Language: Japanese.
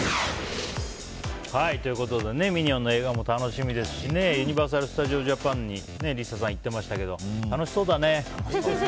ということでミニオンの映画も楽しみですしユニバーサル・スタジオ・ジャパンにＬｉＳＡさん行ってましたけど楽しそうだね。